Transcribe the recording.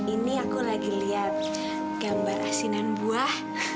ini aku lagi lihat gambar asinan buah